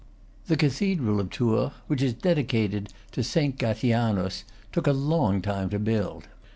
The cathedral of Tours, which is dedicated to Saint Gatianus, took a long time to build.